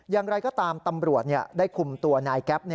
อย่างไรก็ตามตำรวจได้คุมตัวนายแก๊ป